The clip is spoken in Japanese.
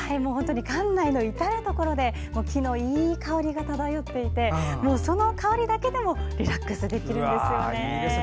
館内の至る所で木のいい香りが漂っていてその香りだけでもリラックスできるんですよね。